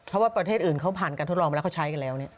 เพราะว่าประเทศอื่นเขาผ่านการทดลองไปแล้วเขาใช้กันแล้ว